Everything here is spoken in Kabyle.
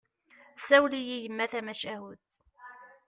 Tsawel-iyi yemma tamacahut.